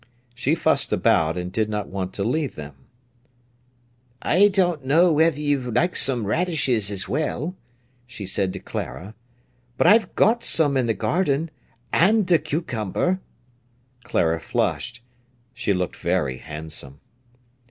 She fussed about, and did not want to leave them. "I don't know whether you'd like some radishes as well," she said to Clara; "but I've got some in the garden—and a cucumber." Clara flushed. She looked very handsome.